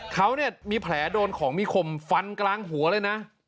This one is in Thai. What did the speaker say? เขาเนี่ยมีแผลโดนของมีคมฟันกลางหัวเลยนะ